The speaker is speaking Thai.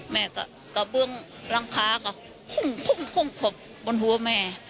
แม่ก็กระบวนรังกะพะบนนั่วแม่